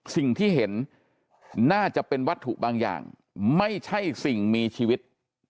สิ่งที่เห็นน่าจะเป็นวัตถุบางอย่างไม่ใช่สิ่งมีชีวิต